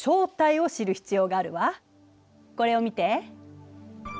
これを見て。